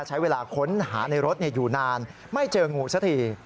ใช้เวลาค้นหาในรถอยู่นานไม่เจองูสักที